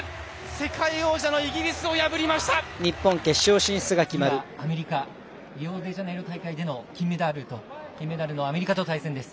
世界王者のイギリスを次はアメリカリオデジャネイロ大会での金メダルのアメリカと対戦です。